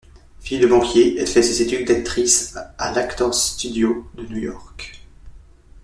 Fille de banquier, elle fait ses études d'actrice à l'Actors Studio de New York.